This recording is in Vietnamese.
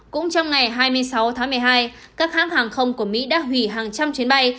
cũng trong ngày hai mươi sáu tháng một mươi hai các hãng hàng không của mỹ đã hủy hàng trăm chuyến bay